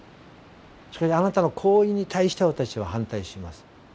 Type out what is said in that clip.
しかしあなたの行為に対して私は反対します。